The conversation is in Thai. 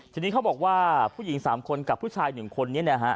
ทีนี้เขาบอกว่าผู้หญิง๓คนกับผู้ชาย๑คนนี้นะฮะ